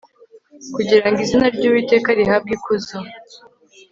kugira ngo izina ryUwiteka rihabwe ikuzo